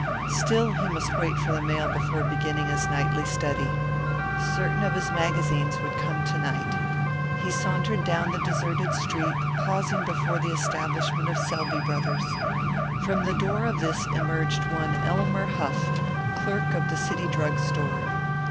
Still he must wait for the mail before beginning his nightly study. Certain of his magazines would come to night. He sauntered down the deserted street, pausing before the establishment of Selby Brothers. From the door of this emerged one Elmer Huff, clerk at the City Drug Store.